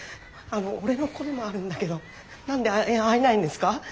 あの俺の子でもあるんだけど何で会えないんですか？